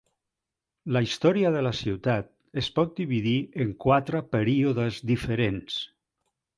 La història de la ciutat es pot dividir en quatre períodes diferents.